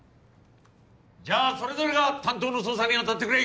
じゃあそれぞれが担当の捜査に当たってくれ！